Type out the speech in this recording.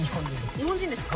・日本人ですか？